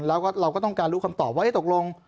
เราก็ต้องการรู้คำตอบว่าให้ตกลง